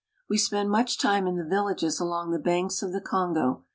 ^ We spend much time in the villages along the banks of the Kongo.